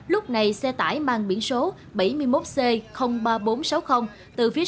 lúc này xe tải mang biển số bảy mươi một c ba nghìn bốn trăm sáu mươi